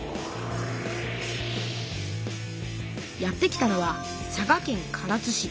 やって来たのは佐賀県唐津市。